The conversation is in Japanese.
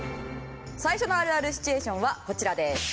最初のあるあるシチュエーションはこちらです。